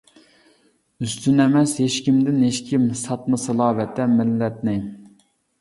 ئۈستۈن ئەمەس ھېچكىمدىن ھېچكىم ساتمىسىلا ۋەتەن مىللەتنى.